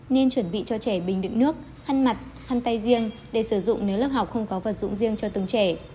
nên chuẩn bị cho trẻ bình đựng nước khăn mặt khăn tay riêng để sử dụng nếu lớp học không có vật dụng riêng cho từng trẻ